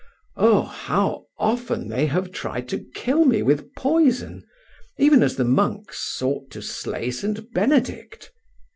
Oh, how often have they tried to kill me with poison, even as the monks sought to slay St. Benedict!